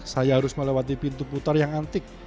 saya harus melewati pintu putar yang antik